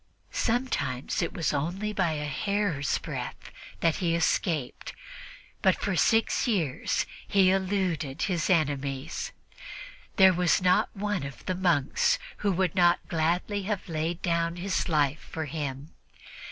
Sometimes it was only by a hair's breadth that he escaped, but for six years he eluded his enemies. There was not one of the monks who would not gladly have laid down his life for him.